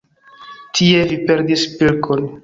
Tie vi perdis pilkon.